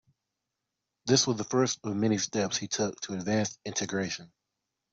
This was the first of many steps he took to advance integration.